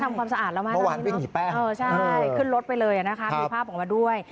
ทำความสะอาดแล้วมั้งเออใช่ขึ้นรถไปเลยนะคะมีภาพออกมาด้วย